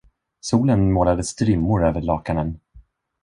Solen målade strimmor över lakanen.